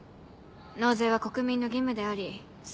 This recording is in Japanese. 納税は国民の義務であり相互扶助の。